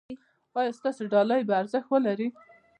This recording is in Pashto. ایا ستاسو ډالۍ به ارزښت ولري؟